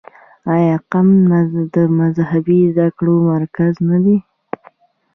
آیا قم د مذهبي زده کړو مرکز نه دی؟